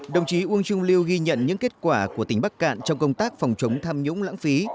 đồng chí uông trung lưu ghi nhận những kết quả của tỉnh bắc cạn trong công tác phòng chống tham nhũng lãng phí